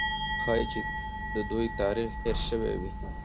ښایي چې د دوی تاریخ هېر سوی وي.